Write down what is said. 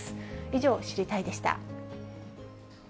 以上、知りたいッ！でした。